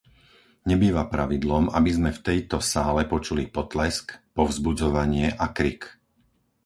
Nebýva pravidlom, aby sme v tejto sále počuli potlesk, povzbudzovanie a krik.